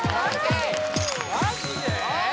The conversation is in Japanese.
マジで？